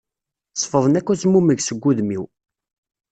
Sefḍen akk azmumeg seg wudem-iw.